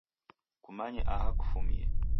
Kumanye aha kufumie.